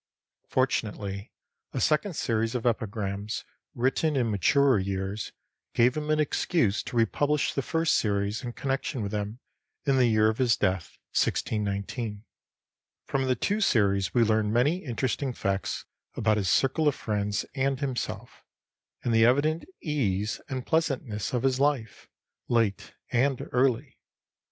Fortunately a second series of epigrams, written in maturer years, gave him an excuse to republish the first series in connection with them, in the year of his death, 1619. From the two series we learn many interesting facts about his circle of friends and himself, and the evident ease and pleasantness of his life, late and early.